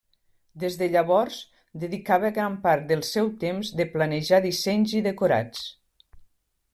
Des de llavors, dedicava gran part del seu temps de planejar dissenys i decorats.